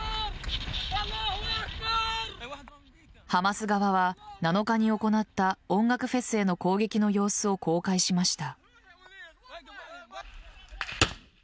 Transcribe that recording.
ハマス側は７日に行った音楽フェスへの攻撃の様子を公開しました。